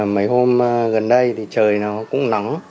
mấy hôm gần đây thì trời nó cũng nóng